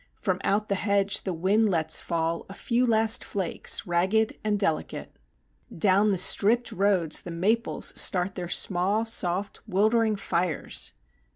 From out the hedge the wind lets fall A few last flakes, ragged and delicate. Down the stripped roads the maples start their small, Soft, 'wildering fires.